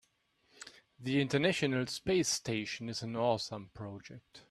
The international space station is an awesome project.